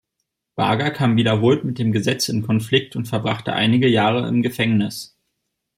Barger kam wiederholt mit dem Gesetz in Konflikt und verbrachte einige Jahre im Gefängnis.